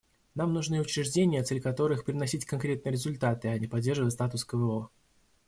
Нам нужны учреждения, цель которых — приносить конкретные результаты, а не поддерживать статус-кво.